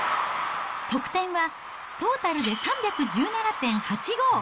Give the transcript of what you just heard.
得点はトータルで３１７．８５。